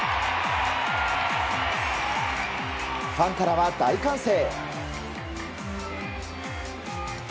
ファンからは大歓声。